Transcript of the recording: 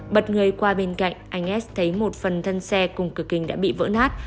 bật người qua bên cạnh anh s thấy một phần thân xe cùng cửa kinh đã bị vỡ nát